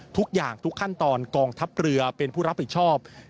ทุกอย่างทุกขั้นตอนกองทัพเรือเป็นผู้รับผิดชอบ